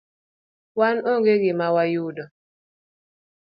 wan onge gima wayudo.